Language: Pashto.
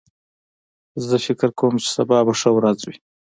زه فکر کوم چې سبا به ښه ورځ وي